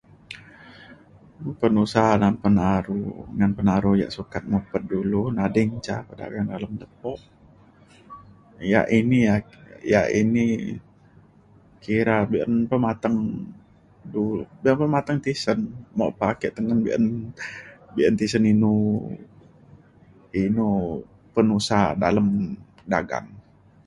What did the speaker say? penusa na penaru ngan penaru ya' sukat mepet dulu nading ca pedagang dalem lepo ya' ini ya' ya' ini kira beun pe mateng lu nta pe mateng tisen mok pe ake tengen be'un be'un tisen inu inu penusa dalem dagang.